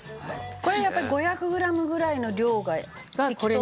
これやっぱり５００グラムぐらいの量が適当？